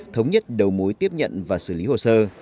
thống nhất đầu mối tiếp nhận và xử lý hồ sơ